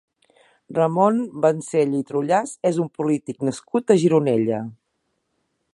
Ramon Vancell i Trullàs és un polític nascut a Gironella.